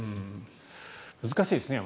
難しいですね。